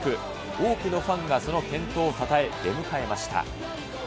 多くのファンがその健闘をたたえ、出迎えました。